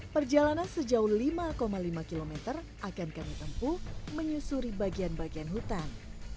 perjalanan sejauh lima lima km akan kami tempuh menyusuri bagian bagian hutan